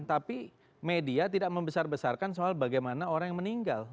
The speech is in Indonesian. tapi media tidak membesar besarkan soal bagaimana orang yang meninggal